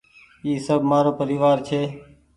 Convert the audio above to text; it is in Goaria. اي سب مآرو پريوآر ڇي ۔